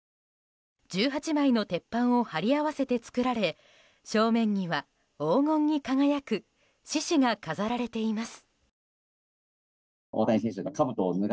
１８枚の鉄板を張り合わせて作られ正面には黄金に輝く獅子が飾られています。